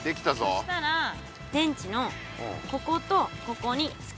そしたら電池のこことここにつける。